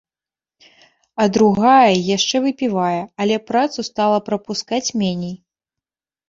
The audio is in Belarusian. А другая яшчэ выпівае, але працу стала прапускаць меней.